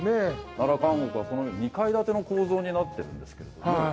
奈良監獄はこの２階建ての構造になってるんですけど。